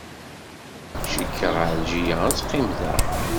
Cikkeɣ Ɛelǧiya ad teqqim da.